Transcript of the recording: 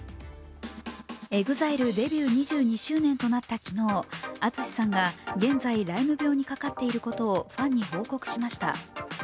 ＥＸＩＬＥデビュー２２周年となった昨日ＡＴＳＵＳＨＩさんが現在、ライム病にかかっていることをファンに報告しました。